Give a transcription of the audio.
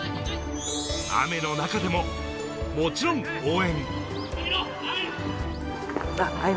雨の中でももちろん応援。